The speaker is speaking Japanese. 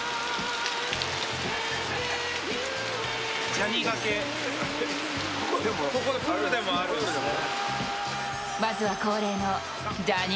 ジャニがけ、ここでもあるんですね。